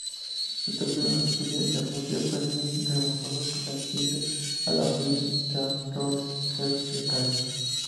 Se trata de una especie herbácea, perenne y rizomatosa perteneciente a la familia Xanthorrhoeaceae.